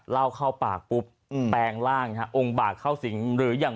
เล่าเข้าปากปุ๊บแปลงร่างองค์บากเข้าสิงหรือยัง